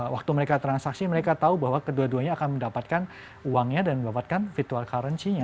waktu mereka transaksi mereka tahu bahwa kedua duanya akan mendapatkan uangnya dan mendapatkan virtual currency nya